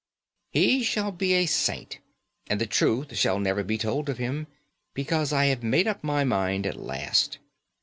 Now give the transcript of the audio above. He shall be a saint; and the truth shall never be told of him, because I have made up my mind at last.